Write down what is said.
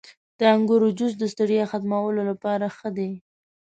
• د انګورو جوس د ستړیا ختمولو لپاره ښه دی.